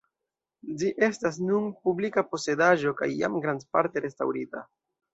Ĝi estas nun publika posedaĵo kaj jam grandparte restaŭrita.